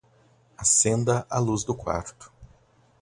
Acenda a luz do quarto